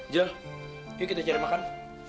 joh yuk kita cari makan